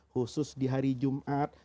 khusus hari jumat